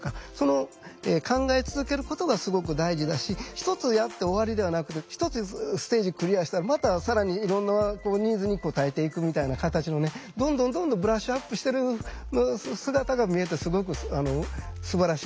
１つやって終わりではなくて１つステージクリアしたらまた更にいろんなニーズに応えていくみたいな形のねどんどんどんどんブラッシュアップしてる姿が見えてすごくすばらしいなと思いましたね。